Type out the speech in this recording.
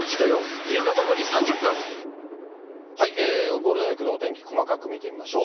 ゴールデンウィークのお天気、細かく見てみましょう。